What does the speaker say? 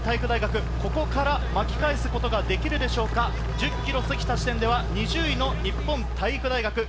１０ｋｍを過ぎた時点では２０位という日本体育大学です。